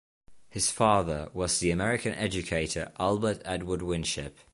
His father was the American educator Albert Edward Winship.